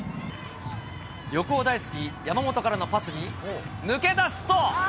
旅行大好き、山本からのパスに、抜け出すと。